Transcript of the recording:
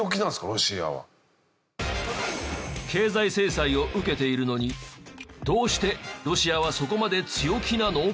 経済制裁を受けているのにどうしてロシアはそこまで強気なの？